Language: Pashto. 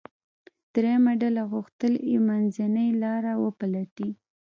درېیمه ډله غوښتل یې منځنۍ لاره ولټوي.